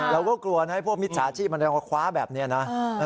เราก็กลัวนะพวกมิจฉาชีพมันจะมาคว้าแบบนี้นะ